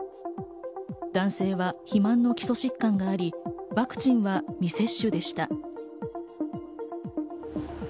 男性は肥満の基礎疾患があり、ワクチンは未接種でした。